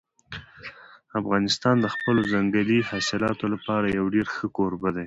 افغانستان د خپلو ځنګلي حاصلاتو لپاره یو ډېر ښه کوربه دی.